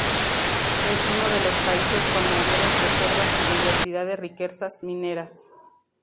Es uno de los países con mayores reservas y diversidad de riquezas mineras.